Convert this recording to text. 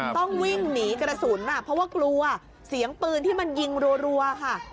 ต้องวิ่งหนีกระสุนเพราะว่ากลัวเสียงปืนที่มันยิงรัวค่ะ